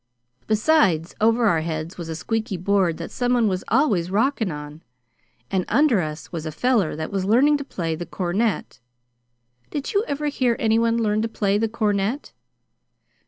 Besides, over our heads was a squeaky board that some one was always rockin' on, and under us was a feller that was learnin' to play the cornet. Did you ever hear any one learn to play the cornet?"